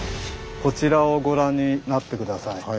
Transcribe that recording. こちらをご覧になって下さい。